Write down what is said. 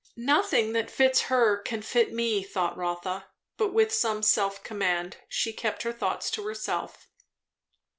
Nothing that fits her can fit me, thought Rotha; but with some self command she kept her thoughts to herself.